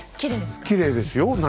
きれいですか？